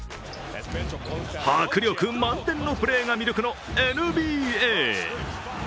迫力満点のプレーが魅力のＮＢＡ。